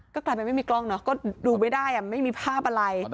กลายไปไม่มีกล้องนะโดดูไม่ได้ค่ะไม่มีภาพอะไร